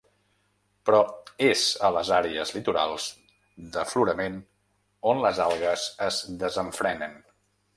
Però és a les àrees litorals d’aflorament on les algues es desenfrenen.